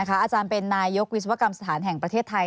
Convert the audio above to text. อาจารย์เป็นนายยกวิศวกรรมสถานแห่งประเทศไทย